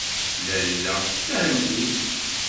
Lalla-a d tahendit.